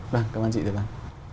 vâng cảm ơn chị thưa bạn